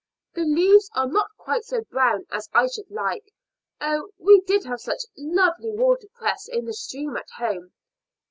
The leaves are not quite so brown as I should like. Oh, we did have such lovely water cress in the stream at home!